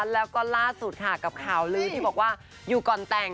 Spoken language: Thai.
แล้วก็ล่าสุดค่ะกับข่าวลื้อที่บอกว่าอยู่ก่อนแต่ง